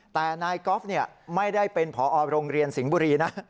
แต่นายกอล์ฟไม่ได้เป็นผอโรงเรียนสิงห์บุรีนะ